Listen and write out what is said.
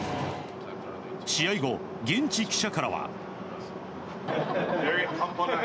試合後、現地記者からは。